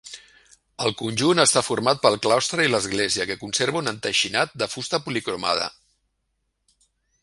El conjunt està format pel claustre i l'església, que conserva un enteixinat de fusta policromada.